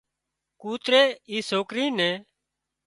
ڪوتري اِي سوڪري نين